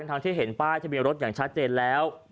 ทั้งที่เห็นป้ายทะเบียนรถอย่างชัดเจนแล้ว